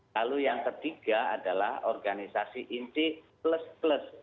lalu yang ketiga adalah organisasi inti plus plus